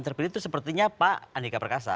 terpilih itu sepertinya pak andika perkasa